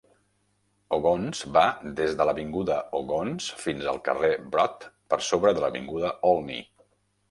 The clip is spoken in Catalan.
Ogontz va "des de l'avinguda Ogontz fins al carrer Broad per sobre de l'avinguda Olney".